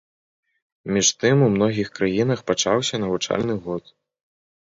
Між тым у многіх краінах пачаўся навучальны год.